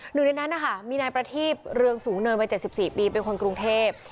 หนึ่งในนั้นนะคะมีนายประทีบเรืองสูงเนินวัย๗๔ปีเป็นคนกรุงเทพ